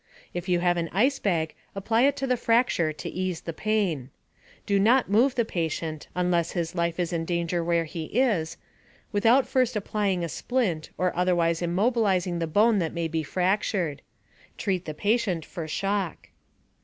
If you have an ice bag, apply it to the fracture to ease the pain. Do not move the patient (unless his life is in danger where he is) without first applying a splint or otherwise immobilizing the bone that may be fractured. Treat the patient for shock.